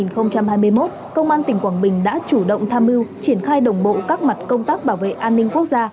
năm hai nghìn hai mươi một công an tỉnh quảng bình đã chủ động tham mưu triển khai đồng bộ các mặt công tác bảo vệ an ninh quốc gia